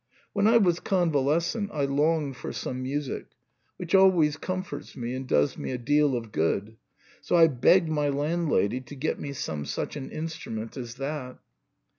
When I was convalescent I longed for some music, which always comforts me and does me a deal of good, so I begged my landlady to get me some such an instrument as that.